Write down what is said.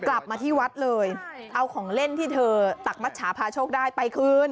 กลับมาที่วัดเลยเอาของเล่นที่เธอตักมัชชาพาโชคได้ไปคืน